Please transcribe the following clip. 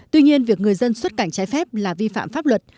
tuy nhiên việc người dân xuất cảnh trái phép là vi phạm pháp luật